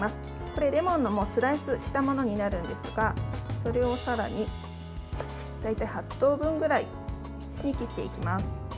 これはレモンをスライスしたものになるんですがそれをさらに大体８等分ぐらいに切っていきます。